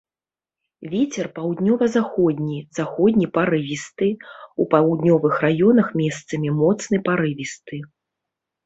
Вецер паўднёва-заходні, заходні парывісты, у паўднёвых раёнах месцамі моцны парывісты.